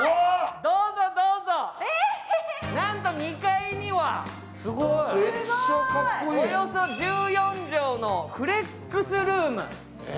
なんと２階にはおよそ１４畳のフレックスルーム。